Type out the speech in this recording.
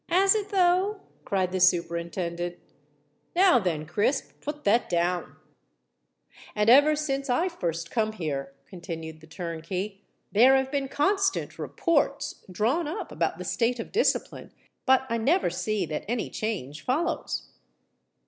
"Has it, though?" cried the Superintendent. "Now, then, Crisp—put that down." "And ever since I first come here," continued the turnkey, "there have been constant Reports drawn up about the state of discipline; but I never see that any change follows."